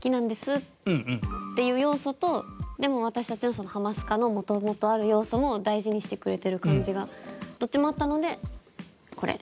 でも私たちの『ハマスカ』のもともとある要素も大事にしてくれてる感じがどっちもあったのでこれ。